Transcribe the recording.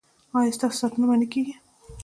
ایا ستاسو ساتنه به نه کیږي؟